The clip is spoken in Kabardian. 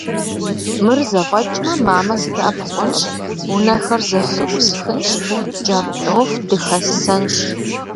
Мыр зэфӏэкӏмэ, мамэ сыдэӏэпыкъунщ, унэхэр зэлъыӏусхынщ, кӏэртӏоф дыхэссэнщ.